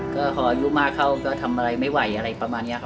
ก็พออายุมากเข้าก็ทำอะไรไม่ไหวอะไรประมาณนี้ครับ